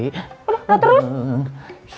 aduh lo terus